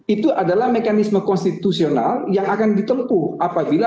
itu adalah mekanisme konstitusional yang akan ditempuh apabila